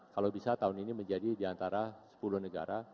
kalau bisa tahun ini menjadi diantara sepuluh negara